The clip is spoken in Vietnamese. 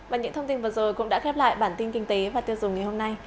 và những thông tin vừa rồi cũng đã khép lại bản tin kinh tế và tiêu dùng ngày hôm nay